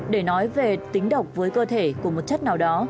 để nói về tính độc với cơ thể của một chất nào đó